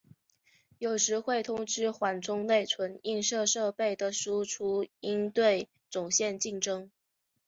有时会通过缓冲内存映射设备的输出应对总线竞争。